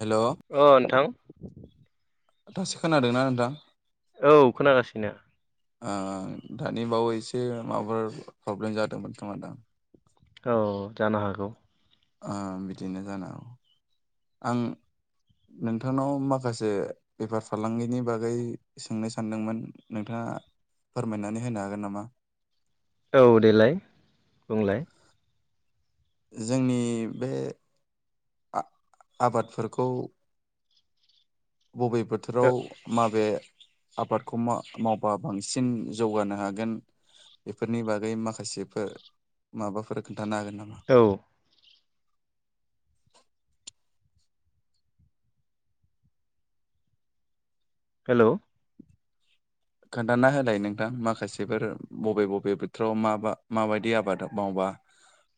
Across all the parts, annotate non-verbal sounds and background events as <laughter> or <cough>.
हेल' अ नोंथां दासो खोनादोना नोंथां औ खोनागासिनो ओ दानि बावै एसे माबाफोर प्रब्लेम जादोंमोन खोमादां औ जानो हागौ ओ बिदिनो जानो हागौ आं नोंथांनाव माखासे बेफार फालांगिनि बागै सोंनो सानदोंमोन नोंथाङा फोरमायनानै होनो हागोन नामा औ देलाय बुंलाय जोंनि बे आ आबादफोरखौ बबे बो बोथोराव माबे आबादखौ मा मावबा बांसिन जौगानो हागोन बेफोरनि बागै माखासेफोर माबाफोर खोन्थानो हागोन नामा औ लांदां हेल' खोन्थाना होलाय नोंथां माखासेफोर बबे बबे बोथोराव माबा माबायदि आबाद मावबा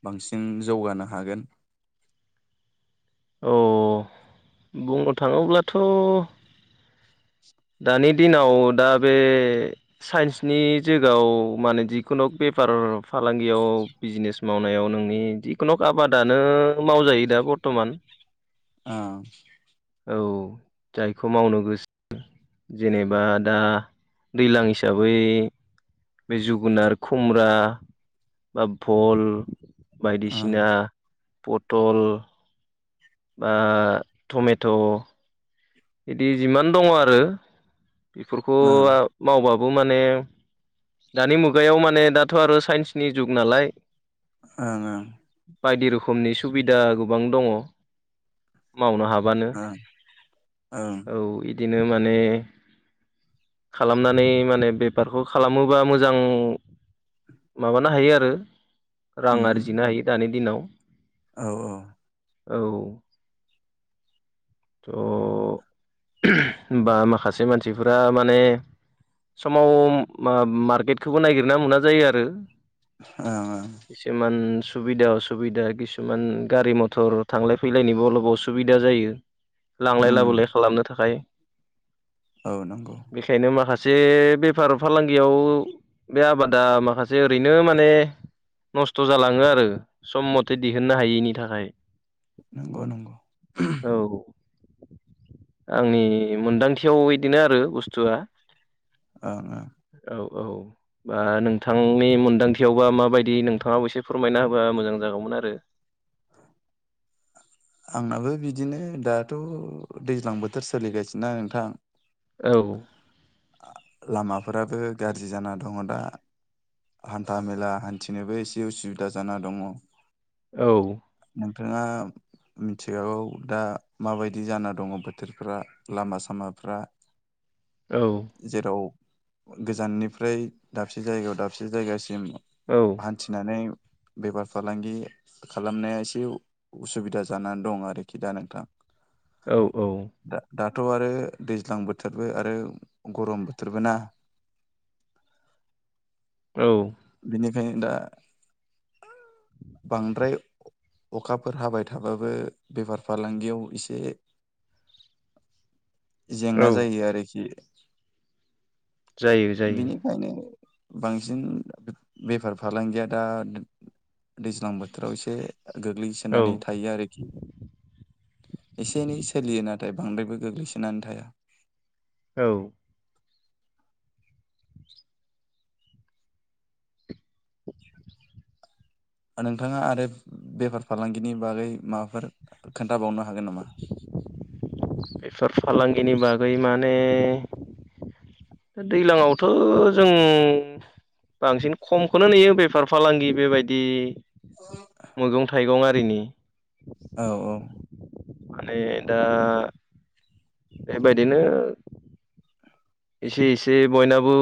बांसिन जौगानो हागोन औ बुंनो थाङोब्लाथ' दानि दिनाव दा बे साइन्सनि जुगाव माने जिखुनु बेफार फालांगियाव बिजनेस मावनायाव नोंनि जिखुनु आबादानो मावजायो दा बरथ'मान ओ औ जायखौ मावनो गोसो जेनेबा दा दैज्लां हिसाबै बे जुगुनार खुमरा बा भल ओं बायदिसिना पतल बा टमेट' बिदि जिमान दङ आरो बेफोरखौ ओं ओ मावबाबो माने दानि मुगायाव माने दाथ' आरो साइन्सनि जुग नालाय ओंं ओं बायदि रोखोमनि सुबिदा गोबां दङ मावनो हाबानो ओं ओं ओं औ बिदिनो माने खालामनानै माने बेफारखौ खालामोबा मोजां माबानो हायो आरो उम रां आरजिनो हायो दानि दिनाव औ औ औ <inaudible> बा माखासे मानसिफोरा माने समाव मो मार्केटखौबो नायगिरना मोना जायो आरो औ औ। खिसुमान सुबिदा असुबिदा किसुमान गारि मथर थांलाय फैलायनिबो अलप असुबिदा जायो। लांलाय उम लाबोलाय खालामनो थाखाय औ नंगौ। बेखायनो माखासे बेफार फालांगियाव बे आबादा माखासे ओरैनो माने नस्थ' जालाङो आरो सम मथे दिहुननो हायैनि थाखाय। नंगौ नंगौ। औ। आंनि मोनदांथियाव बिदिनो आरो बुस्थुआ। ओ ओ। औ औ। ओ नोंथांनि मोनदांथियावबा माबायदि नोंथाङाबो एसे फोरमायना होबा मोजां जागौमोन आरो। औ। आंनाबो बिदिनो दाथ' दैज्लां बोथोर सोलिगासिनोना नोंथां। औ। लामाफोराबो गाज्रि जाना दङ दा। हान्था मेला हान्थिनोबो एसे उसुबिदा जाना दङ। औ। नोंथाङा मिथिखागौ दा माबायदि जाना दङ बोथोरफ्रा लामा सामाफ्रा। औ। जेराव गोजाननिफ्राय दाबसे जायगायाव दाबसे जायगासिम औ। हान्थिनानै बेफार फालांगि खालामनाया एसे उसुबिदा जानानै दं आरोखि दा नोंथाङा। औ औ। द दाथ' आरो दैज्लां बोथोरबो आरो गरम बोथोरबो ना। औ। बेनिखायनो दा बांद्राय अखाफोर हाबाय थाबाबो बेफार फालांगियाव एसे जेंना औ जायो आरोखि। जायो जायो। बेखायनो बांसिन बेफार फालांगिया दा दैज्लां बोथोराव एसे औ गोग्लैसोनानै थायो आरोखि। एसे एनै सोलियो नाथाय बांद्रायबो गोग्लैसोनानै थाया। औ। ओ नोंथाङा आरो बेफार फालांगिनि बागै माबाफोर खोन्थाबावनो हागोन नामा? बेफार फालांगिनि बागै माने दैज्लांआवथ' जों बांसिन खमखौनो नुयो बेफार फालांगि बेबायदि अ मैगं थाइगं आरिनि औ औ। माने दा बेबायदिनो एसे एसे बयनाबो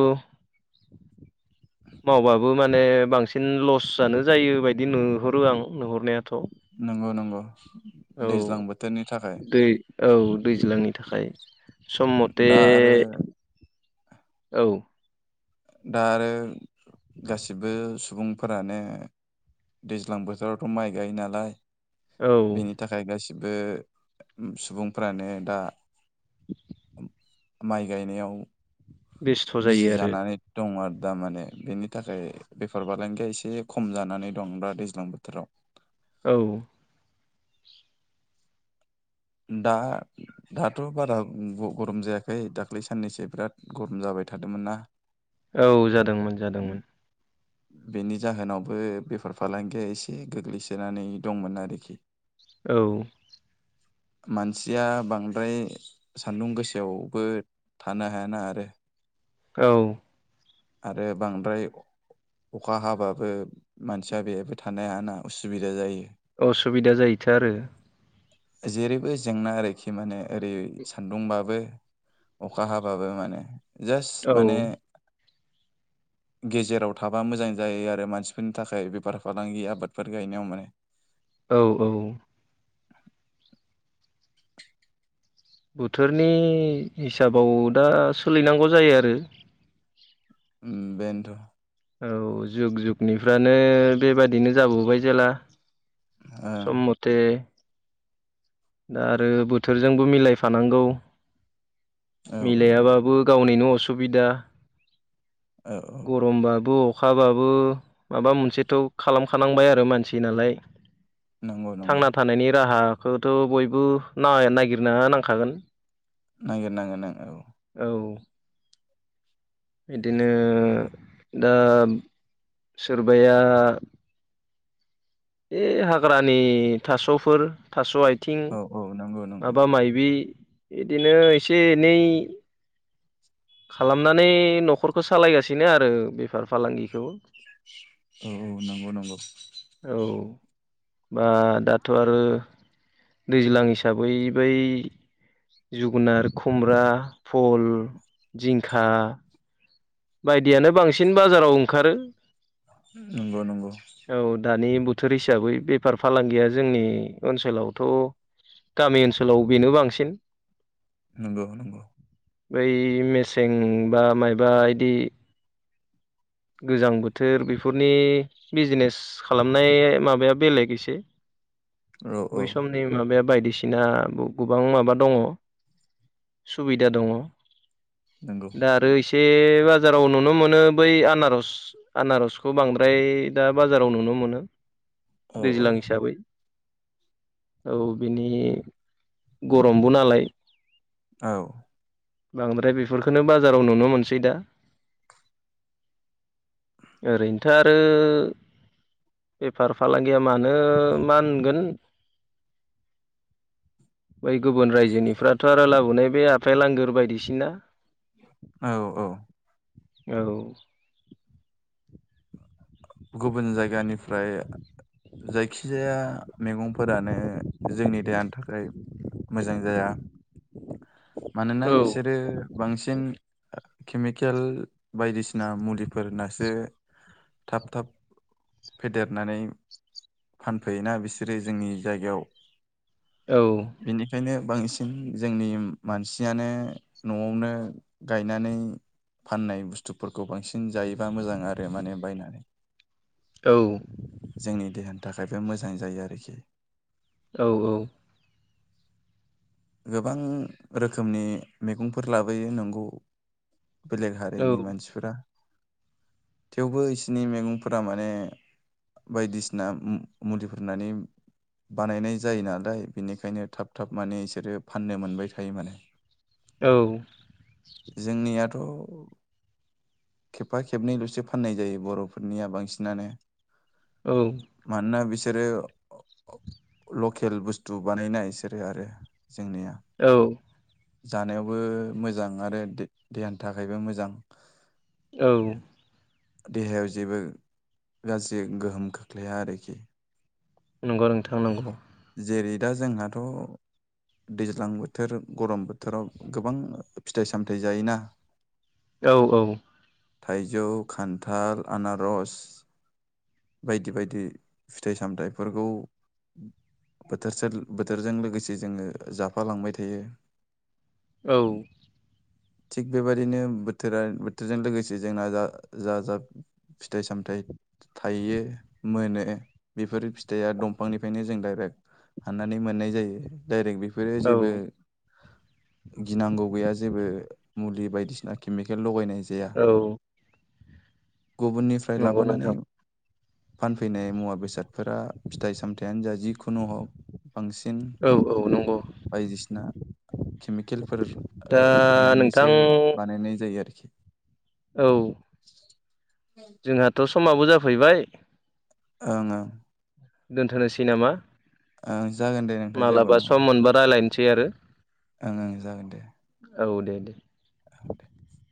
मावबाबो माने बांसिन लस जानो जायो बायदि नुहरो आं नुहरनायाथ नंगौ नंगौ दैज्लां बोथोरनि थाखाय दै औ दैज्लांनि थाखाय सम मथे दा आरो औ दा आरो गासिबो सुबुंफोरानो दैज्लां बोथोरावथ माइ गायो नालाय औ बेनि थाखाय गासिबो सुबुंफ्रानो दा माइ गायनायाव बेस्थ' बिजि जायो आरो जानानै दङ आरो दा माने बेनि थाखाय बेफर फालांगिया एसे खम जानानै दं दा दैज्लां बोथोराव औ दा दाथ बारा गरम जायाखै दाख्लै साननैसो बिराद गरम जाबाय थादोंमोन नना। औ जादोंमोन जादोंमोन बेनि जाहोनावबो बेफार फालांगिया एसे गोग्लैसोनानै दंमोन आरोखि औ मानसिया बांद्राय सान्दुं गोसायावबो थानोा हायाना आरो। औ आरो बांद्राय अखा हाबाबो मानसिया बेहायबो थानो हाना उसुबिदा जायो। असुबिदा जायोथो आरो जेरै बेबो जेंना आरोखि माने ओरै सान्दुंबाबो अखा हाबाबो माने औ जास्ट माने गेजेराव थाबा मोजां जायो आरो मानसिफोरनि थाखाय बेफार फालांगि आबादफोर गायनायाव माने औ औ बोथोरनि हिसाबाव दा सलिनांगौ जायो आरो। बेनोथ औ जुग जुगनिफ्रानो बेबादिनो जाबोबाय जेला ओं सम मते दा आरो बोथोरजोंबो मिलायफानांगौ औ मिलायाबाबो गावनिनो असुबिदा औ औ गरमबाबो अखाबाबो माबा मोनसेथ खालामखानांबाय आरो मानसि नालाय। नंगौ नंगौ थांना थानायनि राहाखौथ बयबो नागिरना नांखागोन नांगिर नांगोन औ औ बिदिनो दा सोरबाया बे हाग्रानि थासफोर थास आथिं औ औ नंगौ नंगौ माबा मायबि बिदिनो एसे एनै खालामनानै न‌खरखौ सालायगासिनो आरो बेफार फालांगिखौ औ औ नंगौ नंगौ औ बा दाथ आरो दैज्लां हिसाबै बै जोगोनार खुमब्रा फल जिंखा बायदियानो बांसिन बाजाराव ओंखारो नंगौ नंगौ औ दानि बोथोर हिसाबै बेफार फालांगिया जोंनि ओनसोलावथ गामि ओनसोलाव बेनो बांसिन नंगौ नंगौ बै मेसें बा मायबा इदि गोजां बोथोर बेफोरनि बिजिनेस खालामनाय माबाया बेलेग एसे औ औ बैसम नि माबाया बायदिसिना गोबां माबा दङ सुबिदा दङ नंगौ दा आरो एसे बाजाराव नुनो मोनो बै आनार रज आनारसखौ बांद्राय दा बाजाराव नुनो मोनो औ औ दैज्लां हिसाबै औ बिनि गरमबो नालाय औ बांद्राय बेफोरखौनो बाजाराव नुनो मोनसै दा ओरैनोथ' आरो बेफार फालांगिया मानो मा होनगोन बै गुबुन रायजोनिफ्राथ' आरो लाबोनाय बे आफेल आंगोर बायदिसिना औ औ औ गुबुन जायगानिफ्राय जायखिजाया मैगंफोरानो जोंनि देहानि थाखाय मोजां जाया मानोना औ बिसोरो बांसिन केमिकेल बायदिसिना मुलिफोर होनासो थाब थाब फेदेरनानै फानफैयोना बिसोरो जोंनि जायगायाव औ बेनिखायनो बांसिन जोंनि मानसियानो न'आवनो गायनानै फाननाय बुस्थुफोरखौ बांसिन जायोबा मोजां आरो माने बायनानै <inaudible> औ जोंनि देहानि थाखायबो मोजां जायो आरोखि औ औ गोबां रोखोमनि मैगंफोर लाबोयो नोंगौ बेलेग औ हारिनि मानसिफोरा थेवबो बिसोरनि मैगंफोरा माने बायदिसिना मुलिफोरनानै बानायनाय जायो नालाय बिनिखायनो थाब थाब माने रो फाननो मोनबाय थायोमोन औ जोंनियाथ' खेबफा खेबनैल'सो फाननाय जायो बर'फोरनिया बांसिनानो औ मानोना बिसोरो अ अ लकेल बुस्थु बानायाना बिसोरो आरो जेंनिया औ जानायावबो मोजां आरो दे-देहानि थाखायबो मोजां औ देहायाव जेबो गाज्रि गोहोम खोख्लैया आरोखि नंगौ नोंथां नंगौ जेरै दा जोंहाथ' दैज्लां बोथोर गरम बोथोराव गोबां फिथाइ सामथाइ जायोना औ औ थाइजौ, खान्थाल, आनारस बायदि बायदि फिथाइ सामथाइफोरखौ बोथोरसोल बोथोरजों लोगोसे जोङो जाफालांबाय थायो औ थिग बेबायदिनो बोथोरा बोथोरजों लोगोसे जोंना जा जा जा फिथाइ सामथाइ थायो मोनो बेफोर फिथाइआ दंफांनिफ्रायनो जों दडाइरेक्ट हाननानै मोननाय जायो डाइरेक बे फोरो जेबो गिनांगौ गैया जेबो मुलि बायदिसिना केमिकेल लगायनाय जाया औ गुबुननिफ्राय नंगौ लाबोनानै नोंथां फानफैनाय मुवा बेसादफोरा फिथाइ सामथाइयानो जा जिखुनु हग बांसिन औ औ नंगौ बायदिसिना केमिकेलफोर दा हो नोंथां होनानैसो बानायनाय जायो आरोखि। औ जोंहाथ' समाबो जाफैबाय ओं ओं दोनथ'नोसै नामा ओ जागोन दे नोंथां जेबो मालाबा नङा दे सम मोनबा रायज्लायनोसै आरो ओं ओं जागोन दे। औ दे दे <inaudible>